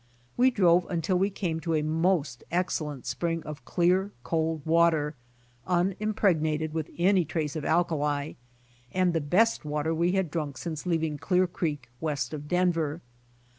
We drove until w^e came to a most excel lent spring of clear, cold water, unimpregnated with any* trace of alkali, and the best water we had drunk since leaving Clear creek west of Denver.